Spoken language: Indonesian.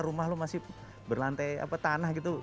rumah lo masih berlantai tanah gitu